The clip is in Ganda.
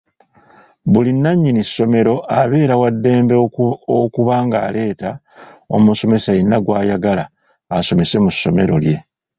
Buli nnannyini ssomero abeera wa ddembe okuba ng’aleeta omusomesa yenna gw’ayagala asomese mu ssomero lye.